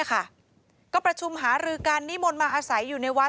ก็ประชุมหารือกันนิมนต์มาอาศัยอยู่ในวัด